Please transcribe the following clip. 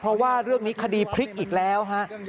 เพราะว่าเรื่องนี้คดีพลิกอีกแล้วฮะ